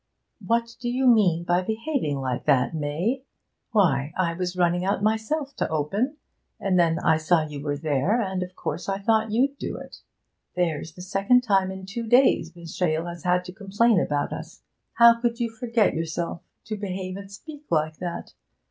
'What do you mean by behaving like that, May? Why, I was running out myself to open, and then I saw you were there, and, of course, I thought you'd do it. There's the second time in two days Miss Shale has had to complain about us. How could you forget yourself, to behave and speak like that!